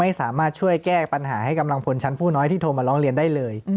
ไม่สามารถช่วยแก้ปัญหาให้กำลังพลชั้นผู้น้อยที่โทรมาร้องเรียนได้เลย